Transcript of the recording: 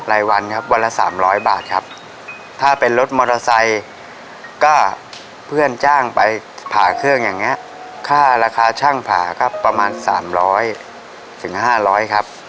รายวันครับวันละ๓๐๐บาทครับถ้าเป็นรถมอเตอร์ไซค์ก็เพื่อนจ้างไปผ่าเครื่องอย่างนี้ค่าราคาช่างผ่าก็ประมาณ๓๐๐ถึง๕๐๐ครับ